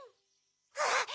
あっ！